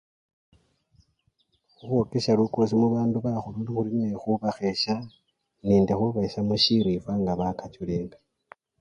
Khukhwokesha lukosi mubandu bakhulu lundi nekhubakhesha nende khubeshamo shirifwa nga bakachulenga.